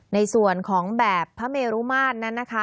ในส่วนของแบบพระเมรุมาตรนั้นนะคะ